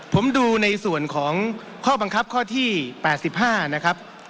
ผมดูในส่วนของข้อบังคับข้อที่๘๕นะครับ